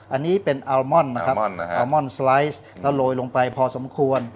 อันนี้เป็นอัลมอนนะครับอัลมอนสไลด์แล้วโรยลงไปพอสมควร